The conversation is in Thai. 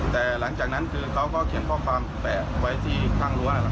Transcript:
แต่หลังจากนั้นคือเขาก็เขียนข้อความแปะไว้ที่ข้างรั้ว